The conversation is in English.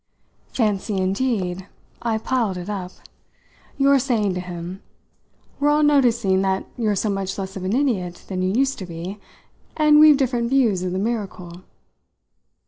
Fancy indeed" I piled it up "your saying to him: 'We're all noticing that you're so much less of an idiot than you used to be, and we've different views of the miracle'!"